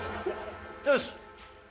よし！